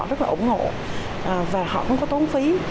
rất là ủng hộ và họ không có tốn phí